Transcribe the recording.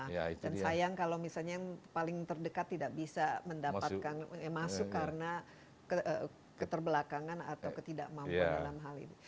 dan sayang kalau misalnya yang paling terdekat tidak bisa mendapatkan masuk karena keterbelakangan atau ketidakmampuan dalam hal ini